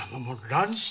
乱心！